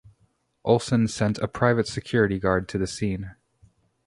Olsen sent a private security guard to the scene.